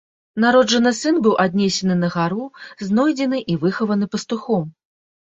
Народжаны сын быў аднесены на гару, знойдзены і выхаваны пастухом.